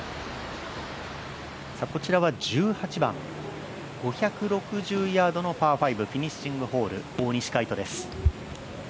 こちらは１８番、５６０ヤードのパー５フィニッシングホール、大西魁斗です。